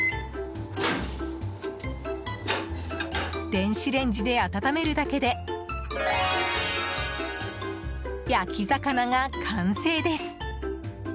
電子レンジで温めるだけで焼き魚が完成です。